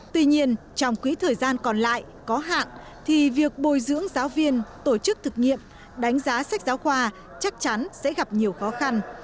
tuy nhiên trong quý thời gian còn lại có hạn thì việc bồi dưỡng giáo viên tổ chức thực nghiệm đánh giá sách giáo khoa chắc chắn sẽ gặp nhiều khó khăn